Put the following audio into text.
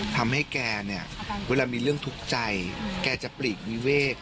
ทำให้แกเนี่ยเวลามีเรื่องทุกข์ใจแกจะปลีกนิเวศ